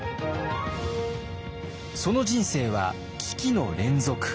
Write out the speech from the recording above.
その人生は危機の連続。